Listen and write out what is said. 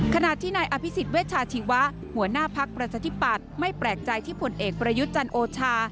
ขณะที่นายอภิษฎเวชาชีวะหัวหน้าพักประชาธิปัตย์ไม่แปลกใจที่ผลเอกประยุทธ์จันโอชา